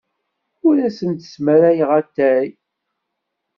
Ur asen-d-smarayeɣ atay.